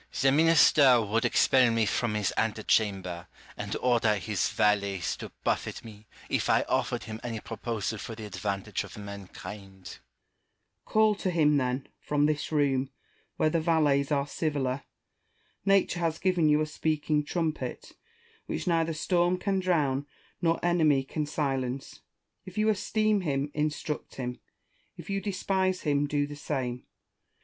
Rousseau. The minister would expel me from his ante chamber, and order his valets to buffet me, if I offered him any proposal for the advantage of mankind. Malesherbes. Call to him, then, from this room, where the valets are civiler. Nature has given you a speaking trumpet, which neither storm can drown nor enemy can silence. If you esteem him, instruct him ; if you despise hiin, do the same.